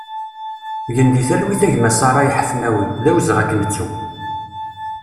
Gen di talwit a gma Serray Ḥafnawi, d awezɣi ad k-nettu!